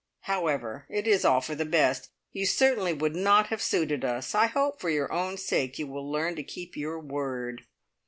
"However, it is all for the best. You certainly would not have suited us. I hope for your own sake you will learn to keep your word."